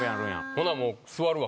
ほなもう座るわ。